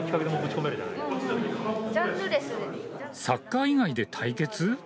サッカー以外で対決？